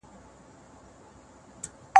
ملکیت د انسان د ازادۍ او وقار نښه ده.